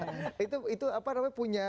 sama peserta pemilu maksudnya